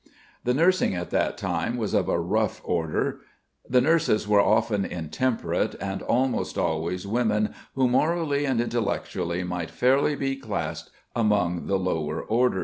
The nursing at that time was of a rough order. The nurses were often intemperate, and almost always women who morally and intellectually might fairly be classed among the lower orders.